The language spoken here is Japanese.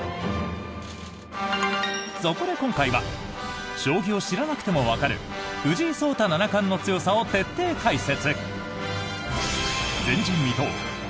そこで今回は将棋を知らなくてもわかる藤井聡太七冠の強さを徹底解説！